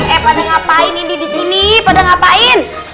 eee pada ngapain ini disini